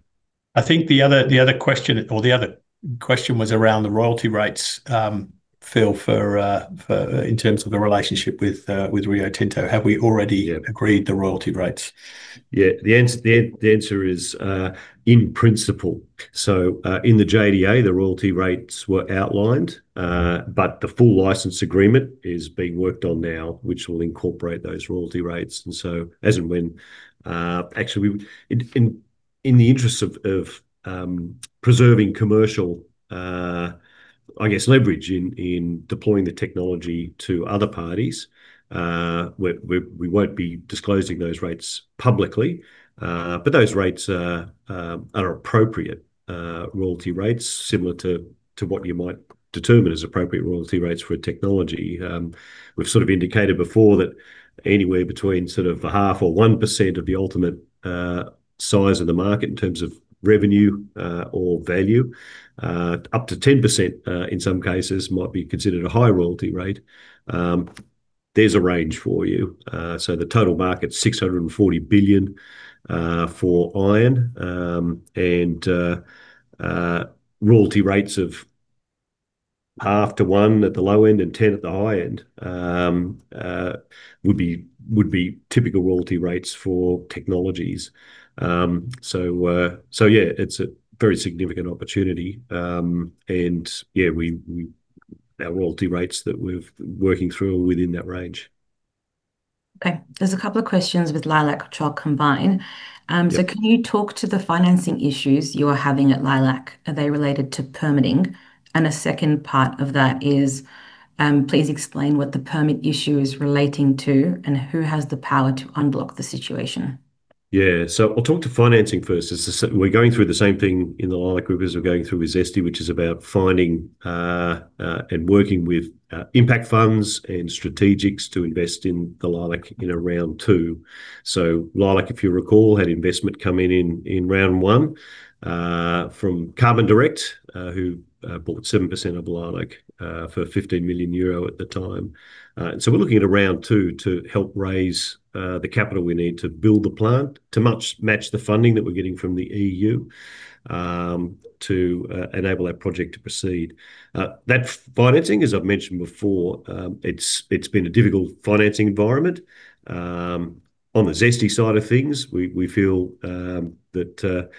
I think the other, the other question, or the other question was around the royalty rates, Phil, for, for, in terms of the relationship with, with Rio Tinto. Have we already agreed the royalty rates? Yeah. The answer is in principle. In the JDA, the royalty rates were outlined, but the full license agreement is being worked on now, which will incorporate those royalty rates. As and when, actually, we, in the interests of preserving commercial, I guess, leverage in deploying the technology to other parties, we won't be disclosing those rates publicly. But those rates are appropriate royalty rates, similar to what you might determine as appropriate royalty rates for a technology. We've sort of indicated before that anywhere between sort of 0.5% or 1% of the ultimate size of the market in terms of revenue or value, up to 10% in some cases, might be considered a high royalty rate. There's a range for you. The total market's 640 billion for iron, and royalty rates of 0.5%-1% at the low end and 10% at the high end would be typical royalty rates for technologies. Yeah, it's a very significant opportunity. Yeah, we, our royalty rates that we've working through are within that range. Okay. There's a couple of questions with Leilac, which I'll combine. Yep. So can you talk to the financing issues you are having at Leilac? Are they related to permitting? A second part of that is, please explain what the permit issue is relating to, and who has the power to unblock the situation. Yeah. I'll talk to financing first. It's the we're going through the same thing in the Leilac group as we're going through with ZESTY, which is about finding and working with impact funds and strategics to invest in the Leilac in a round two. Leilac, if you recall, had investment come in in round one from Carbon Direct, who bought 7% of Leilac for 15 million euro at the time. We're looking at a round two to help raise the capital we need to build the plant, to much- match the funding that we're getting from the EU, to enable that project to proceed. That financing, as I've mentioned before, it's been a difficult financing environment. On the ZESTY side of things, we, we feel that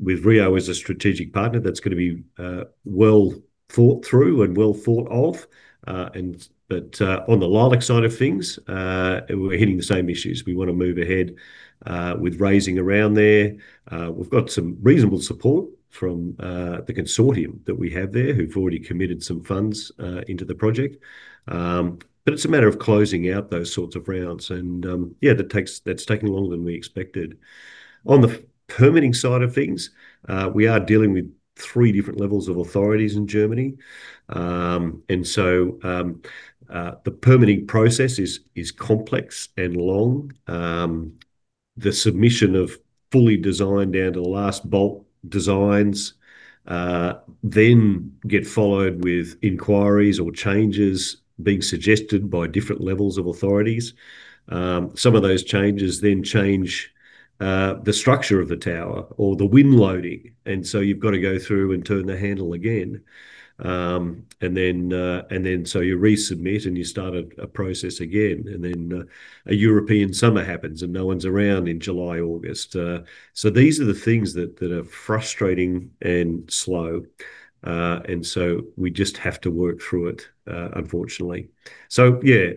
with Rio Tinto as a strategic partner, that's gonna be well thought through and well thought of. On the Leilac side of things, we're hitting the same issues. We want to move ahead with raising around there. We've got some reasonable support from the consortium that we have there, who've already committed some funds into the project. It's a matter of closing out those sorts of rounds and, yeah, that's taking longer than we expected. On the permitting side of things, we are dealing with three different levels of authorities in Germany. The permitting process is complex and long. The submission of fully designed down to the last bolt designs, then get followed with inquiries or changes being suggested by different levels of authorities. Some of those changes then change the structure of the tower or the wind loading, and so you've got to go through and turn the handle again. Then, and then so you resubmit, and you start a process again, and then a European summer happens, and no one's around in July, August. These are the things that, that are frustrating and slow. We just have to work through it, unfortunately. Yeah,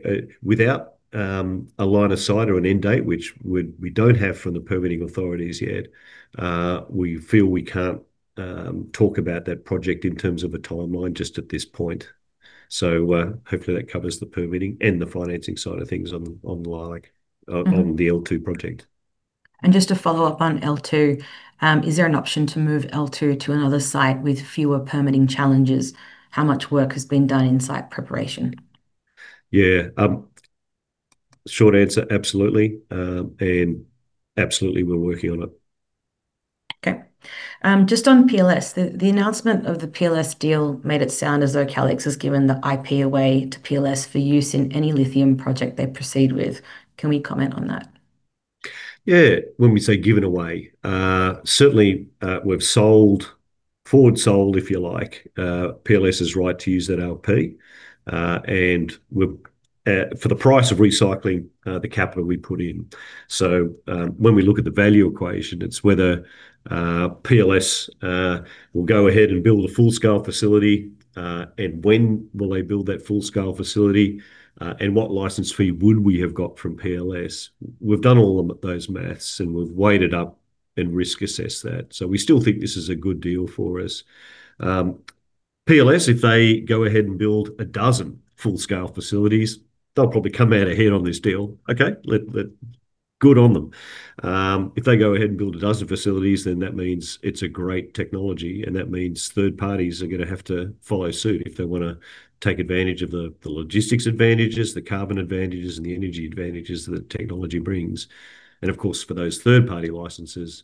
without a line of sight or an end date, which we, we don't have from the permitting authorities yet, we feel we can't talk about that project in terms of a timeline just at this point. Hopefully that covers the permitting and the financing side of things on, on Leilac- Mm-hmm... on the Leilac-2 project. Just to follow up on L2, is there an option to move L2 to another site with fewer permitting challenges? How much work has been done in site preparation? Yeah. short answer, absolutely. Absolutely, we're working on it. Okay. Just on PLS, the, the announcement of the PLS deal made it sound as though Calix has given the IP away to PLS for use in any lithium project they proceed with. Can we comment on that? Yeah. When we say given away, certainly, we've sold, forward sold, if you like, PLS's right to use that IP. And we're for the price of recycling the capital we put in. When we look at the value equation, it's whether PLS will go ahead and build a full-scale facility, and when will they build that full-scale facility, and what license fee would we have got from PLS? We've done all of those math, and we've weighed it up and risk assessed that, so we still think this is a good deal for us. PLS, if they go ahead and build 12 full-scale facilities, they'll probably come out ahead on this deal. Okay, let, let. Good on them. If they go ahead and build 12 facilities, then that means it's a great technology, that means third parties are gonna have to follow suit if they want to take advantage of the, the logistics advantages, the carbon advantages, and the energy advantages that the technology brings. Of course, for those third-party licenses,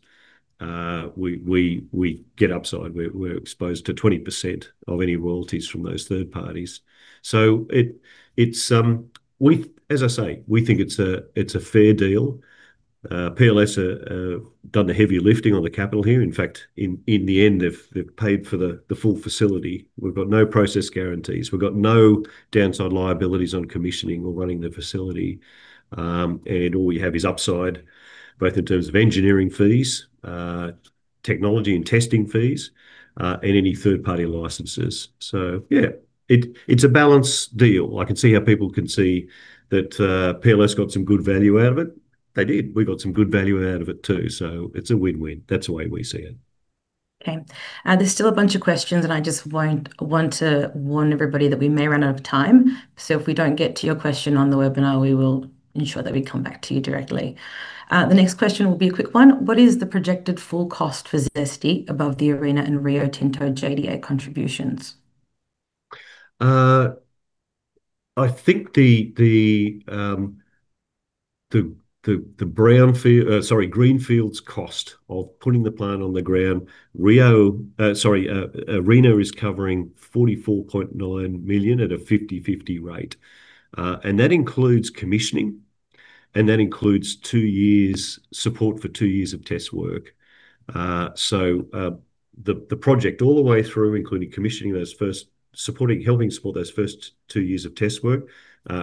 we, we, we get upside. We're, we're exposed to 20% of any royalties from those third parties. It, it's, as I say, we think it's a, it's a fair deal. PLS done the heavy lifting on the capital here. In fact, in, in the end, they've, they've paid for the, the full facility. We've got no process guarantees. We've got no downside liabilities on commissioning or running the facility. All we have is upside, both in terms of engineering fees, technology and testing fees, and any third-party licenses. Yeah, it, it's a balanced deal. I can see how people can see that PLS got some good value out of it. They did. We got some good value out of it, too. It's a win-win. That's the way we see it. Okay. There's still a bunch of questions, and I just want, want to warn everybody that we may run out of time. If we don't get to your question on the webinar, we will ensure that we come back to you directly. The next question will be a quick 1: What is the projected full cost for ZESTY above the ARENA and Rio Tinto JDA contributions? I think the brownfield-- sorry, greenfields cost of putting the plant on the ground, Rio, sorry, ARENA is covering 44.9 million at a 50/50 rate. That includes commissioning, and that includes two years support for two years of test work. The project all the way through, including commissioning those first supporting, helping support those first two years of test work,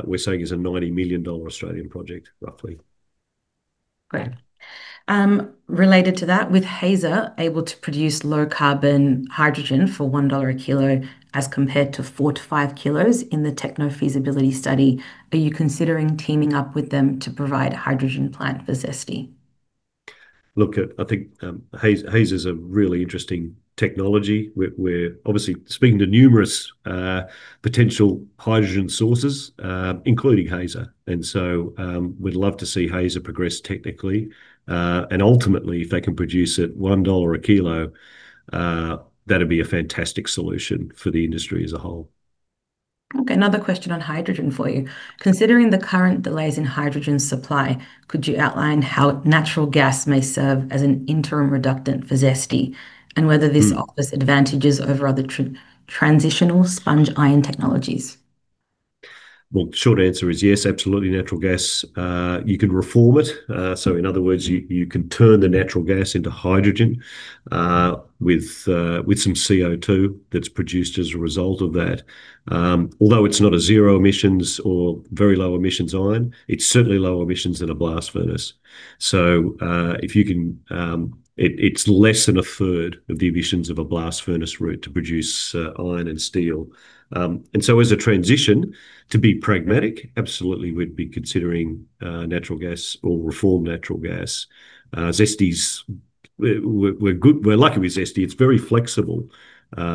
we're saying is an 90 million Australian dollars Australian project, roughly. Great. Related to that, with HySA able to produce low-carbon hydrogen for $1 a kilo as compared to 4 kg to 5 kg in the techno feasibility study, are you considering teaming up with them to provide a hydrogen plant for ZESTY? Look, I think, HySA's a really interesting technology. We're, we're obviously speaking to numerous potential hydrogen sources, including HySA, and so, we'd love to see HySA progress technically. Ultimately, if they can produce it $1 a kilo, that'd be a fantastic solution for the industry as a whole. Okay, another question on hydrogen for you. Considering the current delays in hydrogen supply, could you outline how natural gas may serve as an interim reductant for ZESTY? Mm... this offers advantages over other transitional sponge iron technologies? Well, short answer is yes, absolutely, natural gas. You can reform it. In other words, you, you can turn the natural gas into hydrogen, with some CO2 that's produced as a result of that. Although it's not a zero emissions or very low emissions iron, it's certainly low emissions than a blast furnace. If you can. It's less than a third of the emissions of a blast furnace route to produce iron and steel. As a transition, to be pragmatic, absolutely we'd be considering natural gas or reformed natural gas. ZESTY, we're lucky with ZESTY, it's very flexible,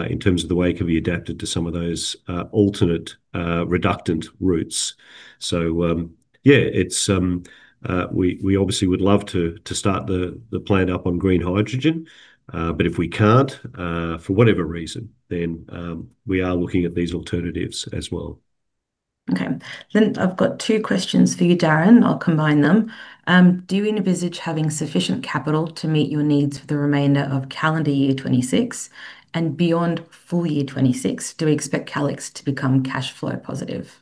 in terms of the way it can be adapted to some of those, alternate reductant routes. Yeah, we obviously would love to start the plant up on green hydrogen, but if we can't, for whatever reason, then, we are looking at these alternatives as well. Okay. I've got two questions for you, Darren. I'll combine them. Do you envisage having sufficient capital to meet your needs for the remainder of calendar year 2026, and beyond full-year 2026, do we expect Calix to become cash flow positive?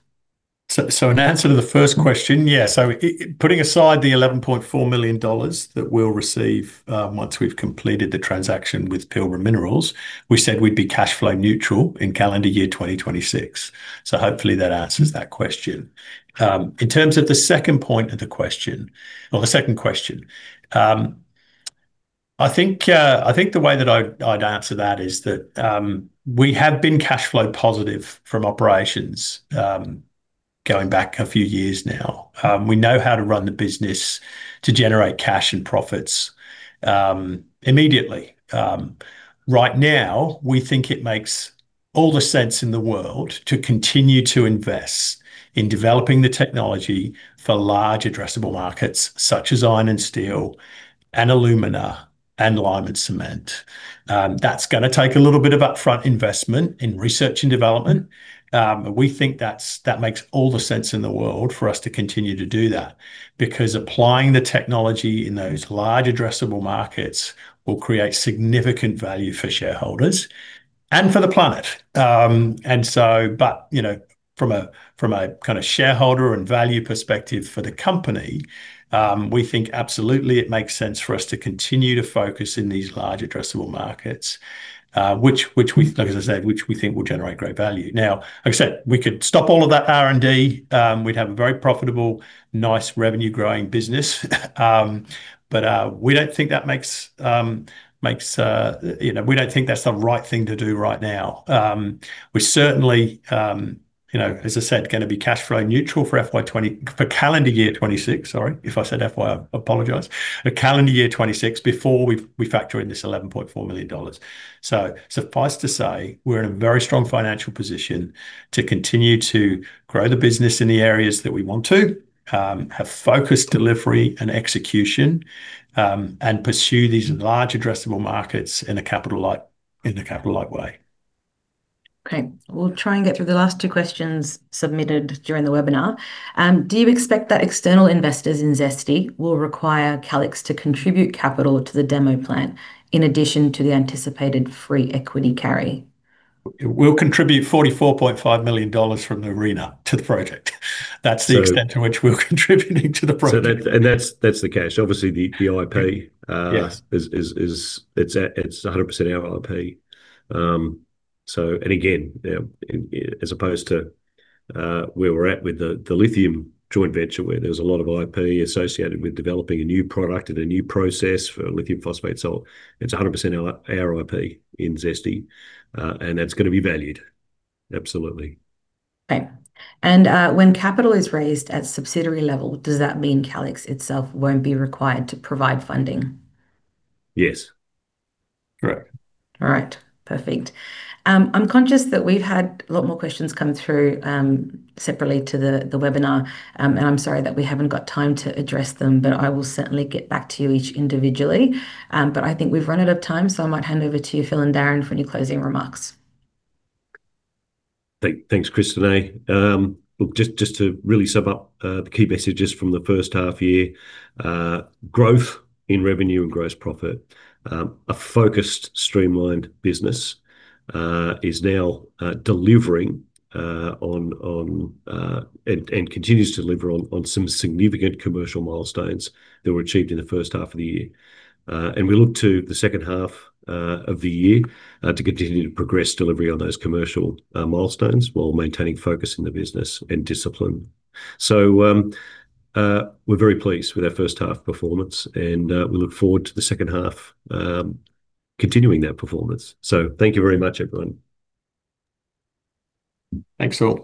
In answer to the first question, putting aside the AUD 11.4 million that we'll receive once we've completed the transaction with Pilbara Minerals, we said we'd be cash flow neutral in calendar year 2026. Hopefully that answers that question. In terms of the second point of the question, or the second question, I think the way that I'd answer that is that we have been cash flow positive from operations going back a few years now. We know how to run the business to generate cash and profits immediately. Right now, we think it makes all the sense in the world to continue to invest in developing the technology for large addressable markets, such as iron and steel, and alumina, and lime and cement. That's gonna take a little bit of upfront investment in research and development, but we think that's, that makes all the sense in the world for us to continue to do that, because applying the technology in those large addressable markets will create significant value for shareholders and for the planet. So, but, you know, from a, from a kind of shareholder and value perspective for the company, we think absolutely it makes sense for us to continue to focus in these large addressable markets, which, which we, like as I said, which we think will generate great value. Now, like I said, we could stop all of that R&D, we'd have a very profitable, nice revenue growing business. We don't think that makes. You know, we don't think that's the right thing to do right now. We certainly, you know, as I said, gonna be cash flow neutral for FY for calendar year 2026, sorry, if I said FY, I apologize. For calendar year 2026, before we, we factor in this $11.4 million. Suffice to say, we're in a very strong financial position to continue to grow the business in the areas that we want to, have focused delivery and execution, and pursue these large addressable markets in a capital-light, in a capital-light way. Okay, we'll try and get through the last two questions submitted during the webinar. Do you expect that external investors in ZESTY will require Calix to contribute capital to the demo plant, in addition to the anticipated free equity carry? We'll contribute $44.5 million from the ARENA to the project. That's the extent- So- to which we're contributing to the project. That, and that's, that's the case. Obviously, the, the IP. Yes ... is, is, is, it's, it's 100% our IP. And again, as opposed to, where we're at with the, the lithium joint venture, where there was a lot of IP associated with developing a new product and a new process for lithium phosphate, so it's 100% our, our IP in ZESTY, and that's gonna be valued. Absolutely. Okay. When capital is raised at subsidiary level, does that mean Calix itself won't be required to provide funding? Yes. Correct. All right. Perfect. I'm conscious that we've had a lot more questions come through separately to the webinar. I'm sorry that we haven't got time to address them. I will certainly get back to you each individually. I think we've run out of time. I might hand over to you, Phil and Darren, for any closing remarks. Thanks, Christineh. Look, just, just to really sum up, the key messages from the first half year, growth in revenue and gross profit. A focused, streamlined business is now delivering on, and continues to deliver on some significant commercial milestones that were achieved in the first half of the year. We look to the second half of the year to continue to progress delivery on those commercial milestones, while maintaining focus in the business and discipline. We're very pleased with our first half performance, and we look forward to the second half continuing that performance. Thank you very much, everyone. Thanks, all.